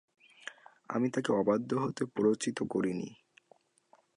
আমি তাকে অবাধ্য হতে প্ররোচিত করিনি।